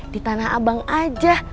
di tanah abang aja